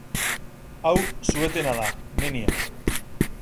Hau su-etena da, menia.